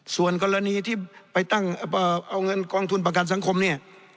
ส่วนกรณีที่ไปตั้งเอาเงินกองทุนประกันสังคมเนี่ย